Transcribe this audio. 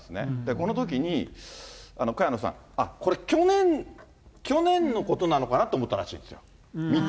このときに萱野さん、これ、去年、去年のことなのかなと思ったらしいんですよ。